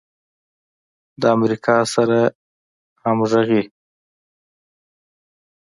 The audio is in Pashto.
د امریکا سره همغږي